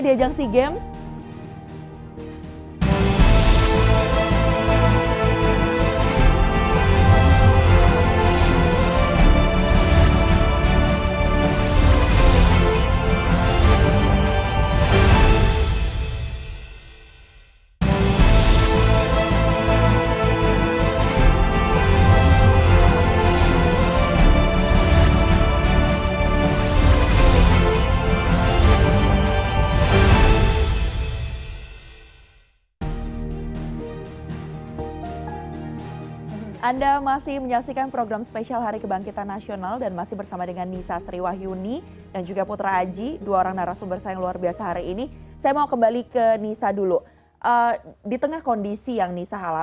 di ajang sea games